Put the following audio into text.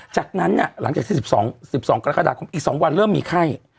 จากนั้นหลังจากที่๑๒กรกฎาคมอีก๒วันเริ่มมีไข้